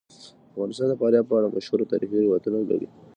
افغانستان د فاریاب په اړه مشهور تاریخی روایتونه لري.